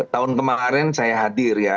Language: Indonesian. tahun kemarin saya hadir ya